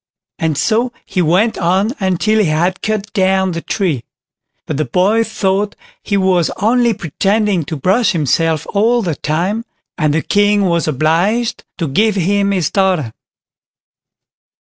And so he went, on until he had cut down the tree. But the boy thought he was only pretending to brush himself all the time, and the King was obliged to give him his daughter.